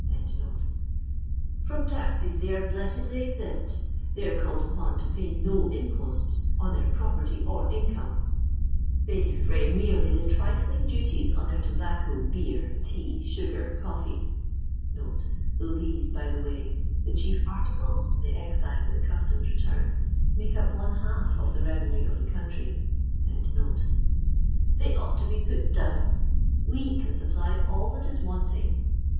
From taxes they are blessedly exempt They are called upon to pay no imposts on their property or income ; they defray merely the trifling duties on their tobacco, beer, tea, sugar, coffee " (though these by the way — the chief articles in the excise and customs returns — ^make up one half of the revenue of the country). "They ought to be put down. We can supply all that is wauting.